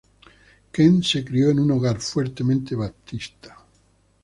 Kent se crio en un hogar fuertemente baptista.